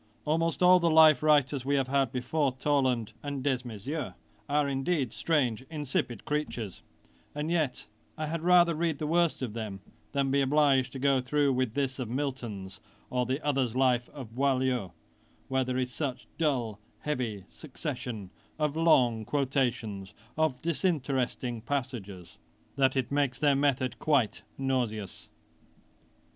Almost all the life writers we have had before Toland and Desmaiseaux, are indeed strange insipid creatures; and yet I had rather read the worst of them, than be obliged to go through with this of Milton's, or the other's life of Boileau, where there is such a dull, heavy succession of long quotations of disinteresting passages, that it makes their method quite nauseous.